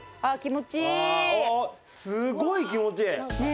すごい気持ちいい！